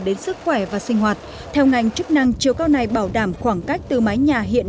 đến sức khỏe và sinh hoạt theo ngành chức năng chiều cao này bảo đảm khoảng cách từ mái nhà hiện